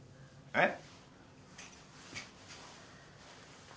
えっ！